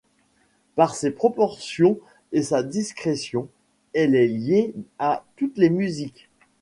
Par ses proportions et sa discrétion, elle est liée à toutes les musiques.